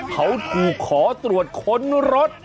เขาถูกขอตรวจค้นรถ